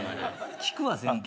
聞くわ全部。